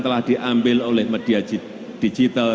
telah diambil oleh media digital